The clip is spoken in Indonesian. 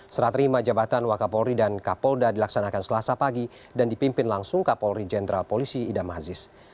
serah terima jabatan wakapolri dan kapolda dilaksanakan selasa pagi dan dipimpin langsung kapolri jenderal polisi idam aziz